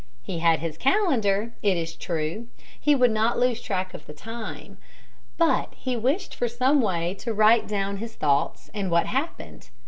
He had his calendar, it is true. He would not lose track of the time. But he wished for some way to write down his thoughts and what happened.